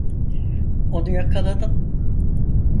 Onu yakaladın.